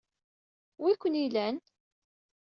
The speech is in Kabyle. Wi-ken ilan?